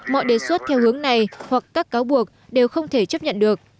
mọi đề xuất theo hướng này hoặc các cáo buộc đều không thể chấp nhận được